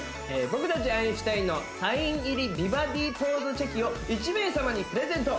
僕たちアインシュタインのサイン入り美バディポーズチェキを１名様にプレゼント